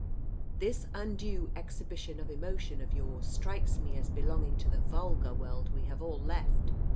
This undue exhibition of emotion of yours strikes me as belonging to the vulgar world we have all left.